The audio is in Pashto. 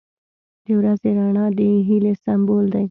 • د ورځې رڼا د هیلې سمبول دی.